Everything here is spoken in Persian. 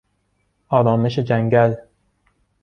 آرامش جنگل